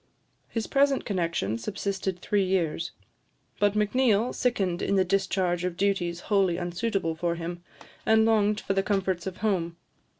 His present connexion subsisted three years; but Macneill sickened in the discharge of duties wholly unsuitable for him, and longed for the comforts of home.